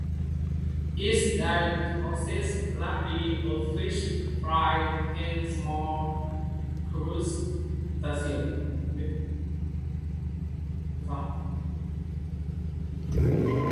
Its diet consists largely of fish fry and small crustaceans.